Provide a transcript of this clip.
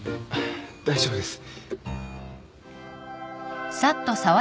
大丈夫です。